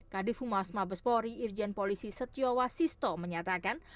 kadif humas mabes polri irjen polisi setiawa sisto menyatakan